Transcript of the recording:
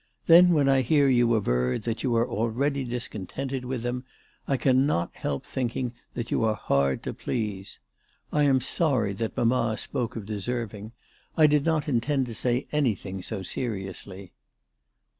Then when I hear you aver that you are already discontented with them, I cannot help thinking that you are hard to please. I am sorry that mamma spoke of deserving. I did not intend to say anything so seriously."